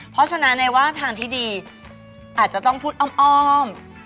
เพราะฉะนั้นในว่าทางที่ดีอาจจะต้องพูดอ้อม